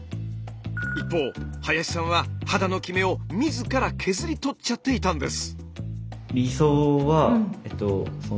一方林さんは肌のキメを自ら削り取っちゃっていたんです。